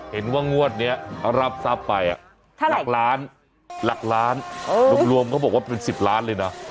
เห็นว่างวดนี้รับทรัพย์ไปหลักล้านหลักล้านรวมเขาบอกว่าเป็น๑๐ล้านเลยนะ